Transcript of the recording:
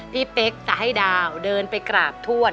เป๊กจะให้ดาวเดินไปกราบทวด